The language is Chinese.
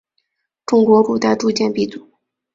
中国古代铸剑鼻祖。